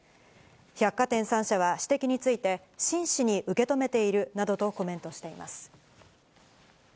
百貨店３社は、指摘について、真摯に受け止めているなどとコメントしています。